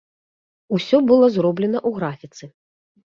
Усё было зроблена ў графіцы.